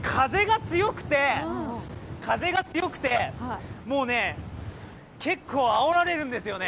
風が強くて、もうね、結構あおられるんですよね